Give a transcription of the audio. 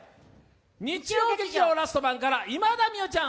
日曜劇場「ラストマン」から今田美桜ちゃん